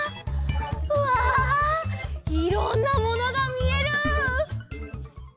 うわいろんなものがみえる！